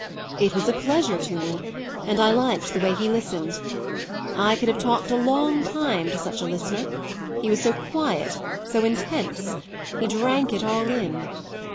"It was a pleasure to me, and I liked the way he listened. I could have talked a long time to such a listener; he was so quiet, so intense; he drank it all in."